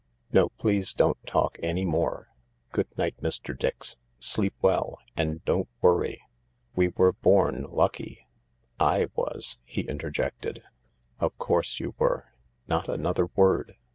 No, please don't talk any more. Good night, Mr. Dix. Sleep well, and don't worry. We were born lucky ""/ was," he interjected. " Of course you were. Not another word.